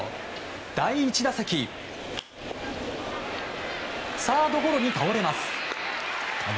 第１打席はサードゴロに倒れます。